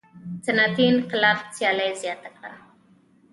صنعتي انقلاب سیالي زیاته کړه.